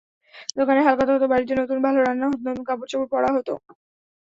দোকানে হালখাতা হতো, বাড়িতে নতুন ভালো রান্না হতো, নতুন কাপড়-চোপড় পরা হতো।